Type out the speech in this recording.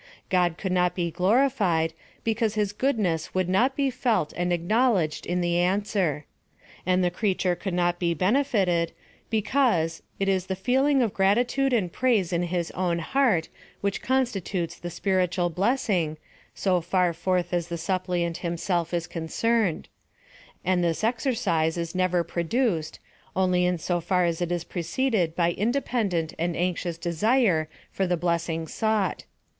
God could not be glorified, because his goodness would not be felt and acknowledged in the answer. And the creature could not be benefitted, because it is the feeling of gratitude and praise in his own heart which constitutes the spiritual blessing, so far forth as the suppliant himself is concerned ; and this ex ercise is never produced, only in so far as it is pre ceded Vv dependent and anxious desire for the bles PLAN OF SALVATION. 225 fiing sought.